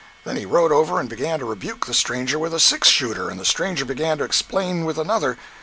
Then he rode over and began to rebuke the stranger with a six shooter, and the stranger began to explain with another.